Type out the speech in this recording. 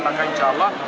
maka insya allah